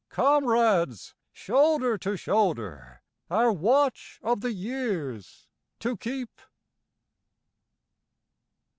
Comrades shoulder to shoulder our watch of the years to keep.